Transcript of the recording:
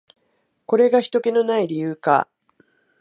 これがひとけの無い理由か。